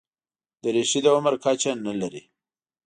دریشي د عمر کچه نه لري.